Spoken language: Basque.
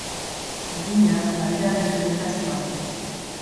Jakina, badira desberdintasun batzuk.